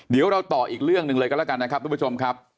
เดี๋ยวเราต่ออีกเรื่องหนึ่งเลยกันแล้วกันนะครับทุกผู้ชมครับ